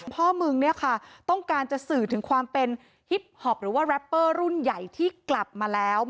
พ่อมึงเนี่ยค่ะต้องการสื่อถึงว่าฮิบหอบหรือว่ารัพเพอรุ่นใหญ่ที่กลับมาแล้ว